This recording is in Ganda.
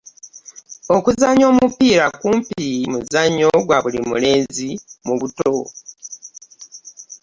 Okuzannya omupiira kumpi muzannyo gwa buli mulenzi mu buto.